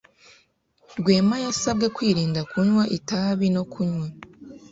Rwema yasabwe kwirinda kunywa itabi no kunywa.